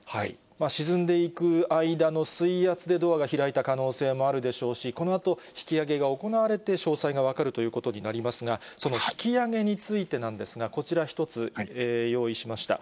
沈んでいく間の水圧でドアが開いた可能性もあるでしょうし、このあと引き揚げが行われて、詳細が分かるということになりますが、その引き揚げについてなんですが、こちら一つ、用意しました。